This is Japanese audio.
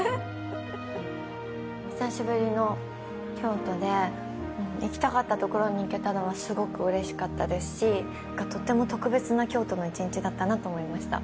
久しぶりの京都で行きたかったところに行けたのはすごくうれしかったですしとっても特別な京都の１日だったなと思いました。